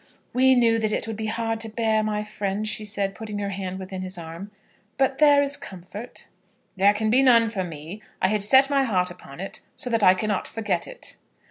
"We knew that it would be hard to bear, my friend," she said, putting her hand within his arm; "but there is comfort." "There can be none for me. I had set my heart upon it so that I cannot forget it."